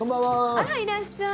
あらいらっしゃい。